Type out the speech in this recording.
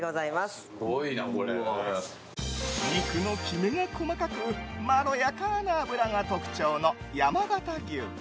肉のキメが細かくまろやかな脂が特徴の山形牛。